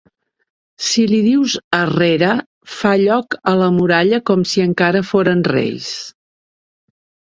Si li dius "arrere!" fa lloc a la muralla com si encara foren reis.